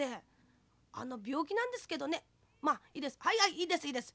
いいですいいです。